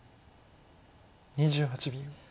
２８秒。